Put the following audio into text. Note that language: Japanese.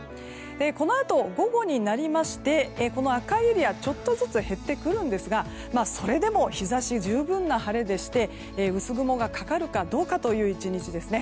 このあと、午後になりまして赤いエリアちょっとずつ減ってくるんですがそれでも日差しが十分な晴れでして薄雲がかかるかどうかという１日ですね。